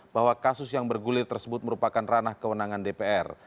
bahwa kasus yang bergulir tersebut merupakan ranah kewenangan dpr